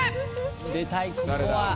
出たいここは。